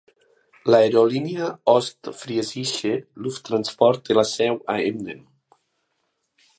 L'aerolínia Ostfriesische Lufttransport té la seu a Emden.